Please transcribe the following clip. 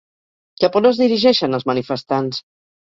Cap on es dirigeixen els manifestants?